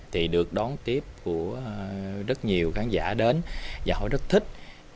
thì được đón tiếp của rất nhiều khán giả đến và họ rất thích